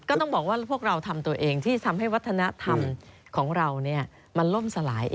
ก็ต้องบอกว่าพวกเราทำตัวเองที่ทำให้วัฒนธรรมของเรามันล่มสลาย